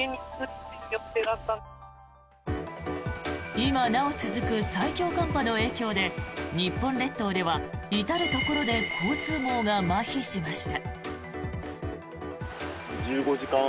今なお続く最強寒波の影響で日本列島では至るところで交通網がまひしました。